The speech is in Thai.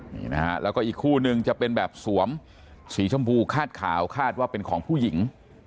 นี่นะฮะแล้วก็อีกคู่นึงจะเป็นแบบสวมสีชมพูคาดขาวคาดว่าเป็นของผู้หญิง